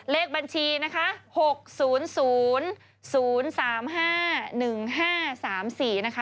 เลขบัญชี๖๐๐๐๓๕๑๕๓๔นะคะ